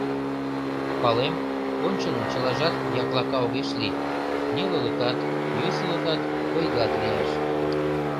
Палем, ончылно чылажак яклака огеш лий, нелылыкат, йӧсылыкат, ойгат лиеш.